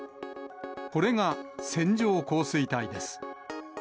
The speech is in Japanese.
これが線状降水帯です。